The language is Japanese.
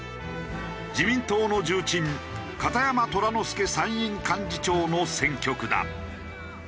自民党の重鎮片山虎之助参院幹事長の選挙区だ。